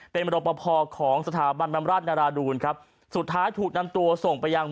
เป็นรปภของสถาบันบำราชนาราดูนครับสุดท้ายถูกนำตัวส่งไปยัง